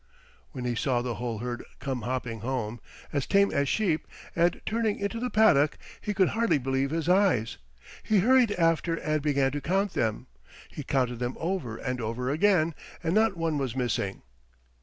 When he saw the whole herd come hopping home, as tame as sheep, and turning into the paddock, he could hardly believe his eyes. He hurried after and began to count them. He counted them over and over again, and not one was missing.